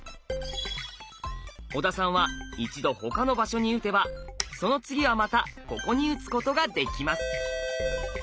小田さんは一度他の場所に打てばその次はまたここに打つことができます。